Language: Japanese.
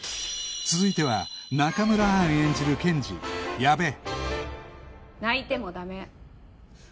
続いては中村アン演じる検事矢部泣いても駄目。